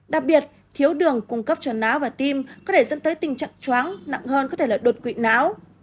đặc biệt thiếu đường cung cấp cho não và tim có thể dẫn tới tình trạng chóng nặng hơn có thể là đột quỵ não